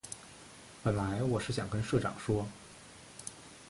本来我是想跟社长说